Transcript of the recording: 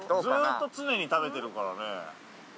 ずっと常に食べてるからね。